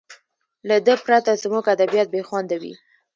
له ده پرته زموږ ادبیات بې خونده وي.